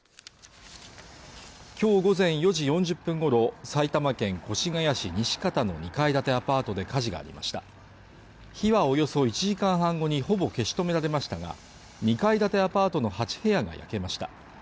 きょう午前４時４０分ごろ埼玉県越谷市西方の２階建てアパートで火事がありました火はおよそ１時間半後にほぼ消し止められましたが２階建てアパートの８部屋が焼けました